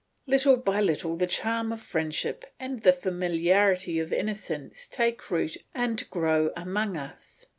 Little by little the charm of friendship and the familiarity of innocence take root and grow among us.